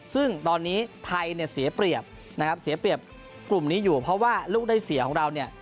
ซึ่งตอนนี้ไทยเนี่ยเสียเปรียบนะครับเสียเปรียบกลุ่มนี้อยู่เพราะว่าลูกได้เสียของเราเนี่ย